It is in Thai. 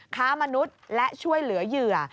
ค้ามนุษย์และช่วยเหลือเหยื่อ